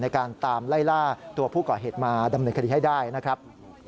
ในการตามไล่ล่าตัวผู้ก่อเหตุมาดำเนินคดีให้ได้นะครับ